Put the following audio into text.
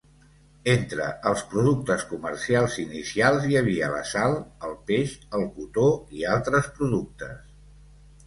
Entre els productes comercials inicials hi havia la sal, el peix, el cotó i altres productes.